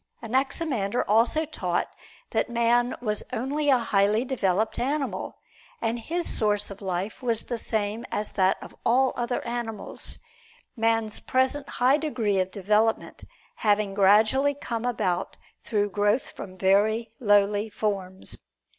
Anaximander also taught that man was only a highly developed animal, and his source of life was the same as that of all other animals; man's present high degree of development having gradually come about through growth from very lowly forms.